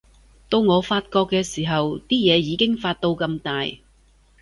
到我發覺嘅時候，啲嘢已經發到咁大